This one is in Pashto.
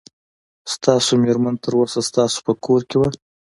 ستاسو مېرمن تر اوسه ستاسو په کور کې وه.